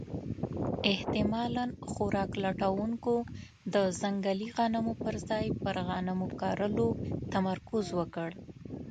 احتمالاً خوراک لټونکو د ځنګلي غنمو پر ځای پر غنمو کرلو تمرکز وکړ.